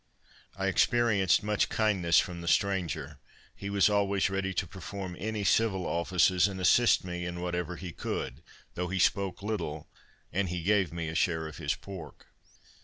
I experienced much kindness from the stranger; he was always ready to perform any civil offices, and assist me in whatever he could, though he spoke little: and he gave me a share of his pork.